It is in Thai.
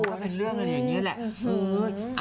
ก็เป็นเรื่องอะไรอย่างนี้แหละ